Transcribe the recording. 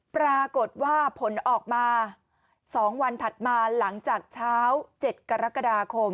ปรากฏว่าผลออกมา๒วันถัดมาหลังจากเช้า๗กรกฎาคม